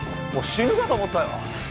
もう死ぬかと思ったよ。